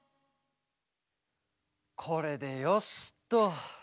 これでよしっと。